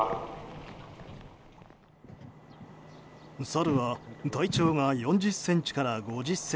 サルは体長が４０ｃｍから５０ｃｍ。